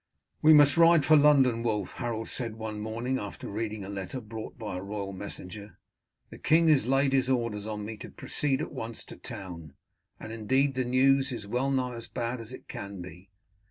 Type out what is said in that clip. "We must ride for London, Wulf," Harold said one morning after reading a letter brought by a royal messenger. "The king has laid his orders on me to proceed at once to town, and indeed the news is well nigh as bad as can be.